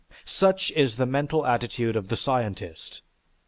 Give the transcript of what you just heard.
Such is the mental attitude of the scientist.